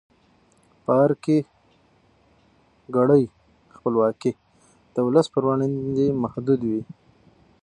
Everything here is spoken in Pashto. په ارګ کې کړۍ خپلواکي د ولس پر وړاندې محدودوي.